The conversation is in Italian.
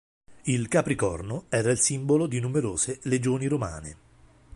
Il Capricorno era il simbolo di numerose legioni romane.